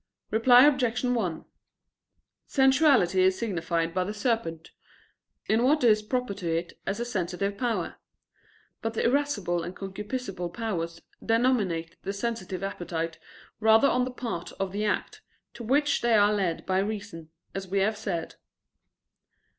Reply Obj. 1: Sensuality is signified by the serpent, in what is proper to it as a sensitive power. But the irascible and concupiscible powers denominate the sensitive appetite rather on the part of the act, to which they are led by the reason, as we have said.